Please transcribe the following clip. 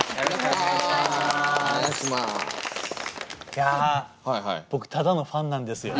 いや僕ただのファンなんですよ。